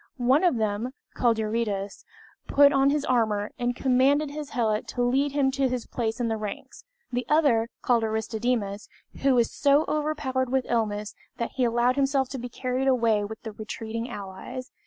One of them called Eurytus, put on his armor, and commanded his helot to lead him to his place in the ranks; the other, called Aristodemus, was so overpowered with illness that he allowed himself to be carried away with the retreating allies.